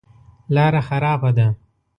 لاره خرابه ده.